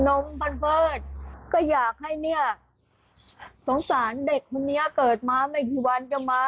นมมันเบิดก็อยากให้เนี่ยสงสารเด็กคนนี้เกิดมาไม่กี่วันจะมา